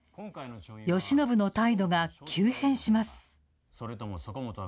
慶喜の態度が急変します。